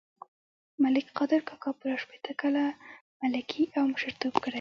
ملک قادر کاکا پوره شپېته کاله ملکي او مشرتوب کړی.